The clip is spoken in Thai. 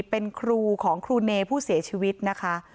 เป็นครูของครูเนย์ผู้เสียชีวิตนะคะ